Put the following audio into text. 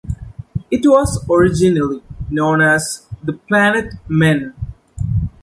It was originally known as "The Planet Men".